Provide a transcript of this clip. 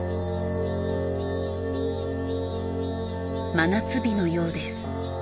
真夏日のようです。